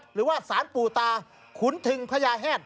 หรือว่าสารปู่ตาขุนทึงพญาแฮด